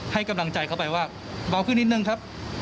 ให้กำลังใจเขาไปว่าเบาขึ้นนิดนึงครับ